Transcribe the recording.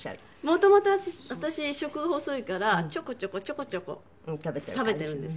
元々私食細いからちょこちょこちょこちょこ食べているんですよ。